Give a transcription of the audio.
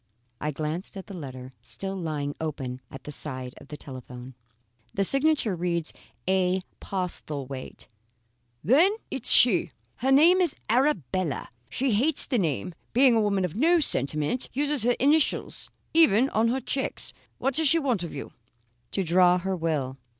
I glanced at the letter still lying open at the side of the telephone: "The signature reads A. Postlethwaite." "Then it's she. Her name is Arabella. She hates the name, being a woman of no sentiment. Uses her initials even on her cheques. What does she want of you?" "To draw her will."